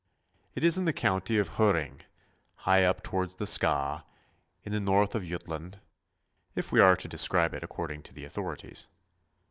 It is in the county of Hiorring, high up towards the Skaw, in the north of Jutland, if we are to describe it according to the authorities.